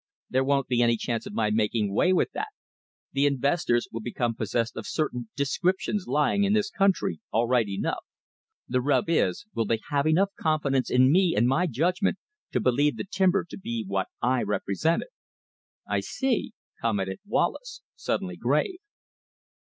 There won't be any chance of my making way with that. The investors will become possessed of certain 'descriptions' lying in this country, all right enough. The rub is, will they have enough confidence in me and my judgment to believe the timber to be what I represent it?" "I see," commented Wallace, suddenly grave.